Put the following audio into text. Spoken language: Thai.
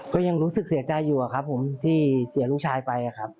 ข้ายังรู้สึกเสียใจที่เสียลูกชายไป